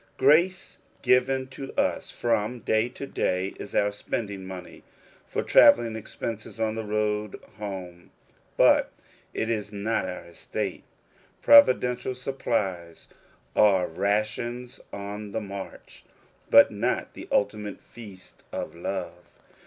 Grace given to us from day to day is our spending money for traveling expenses on the road home ; but it is not our estate. Provi dential supplies are rations on the march, but not the ultimate feast of love.